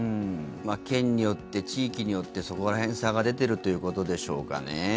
県によって、地域によってそこら辺、差が出ているということでしょうかね。